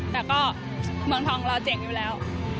แต่ก็เมืองทองของเราเจ๋งอยู่แล้ว